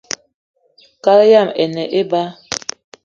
Kaal yama i ne eba